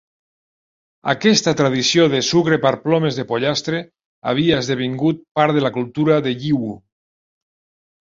Aquesta tradició de "sucre per plomes de pollastre" havia esdevingut part de la cultura de Yiwu.